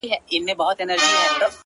چاته د يار خبري ډيري ښې دي،a